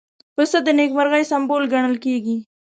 پسه د نېکمرغۍ سمبول ګڼل کېږي.